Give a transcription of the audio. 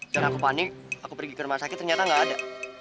dan aku panik aku pergi ke rumah sakit ternyata nggak ada